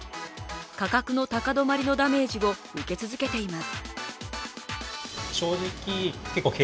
価格の高止まりのダメージを受け続けています